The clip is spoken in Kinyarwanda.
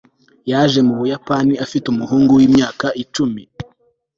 yaje mu buyapani afite umuhungu wimyaka icumi